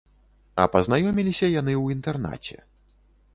А пазнаёміліся яны ў інтэрнаце.